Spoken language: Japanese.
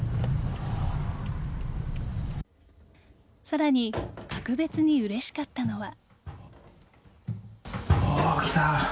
さらに格別にうれしかったのは。